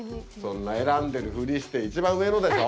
そんな選んでるふりして一番上のでしょ！